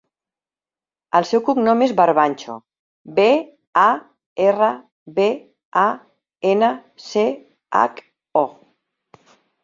El seu cognom és Barbancho: be, a, erra, be, a, ena, ce, hac, o.